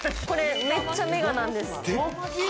これ、めっちゃメガなんです。